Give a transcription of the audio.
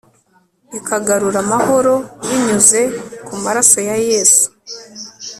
ikagarura amahoro binyuze ku marasoya yesu